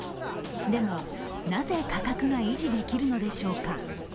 でも、なぜ価格が維持できるのでしょうか。